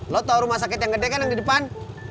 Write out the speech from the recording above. lo tahu rumah sakit yang gede kan yang di depan